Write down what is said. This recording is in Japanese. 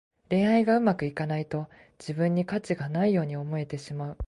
恋愛がうまくいかないと、自分に価値がないように思えてしまう。